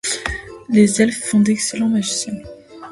Les Elfes font d'excellents Magiciens.